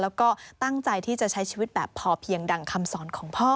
แล้วก็ตั้งใจที่จะใช้ชีวิตแบบพอเพียงดังคำสอนของพ่อ